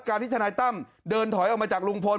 ที่ทนายตั้มเดินถอยออกมาจากลุงพล